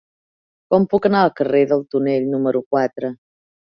Com puc anar al carrer del Tonell número quatre?